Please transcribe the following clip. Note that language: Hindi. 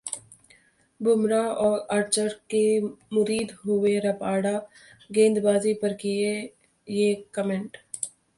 बुमराह और आर्चर के मुरीद हुए रबाडा, गेंदबाजी पर किया ये कमेंट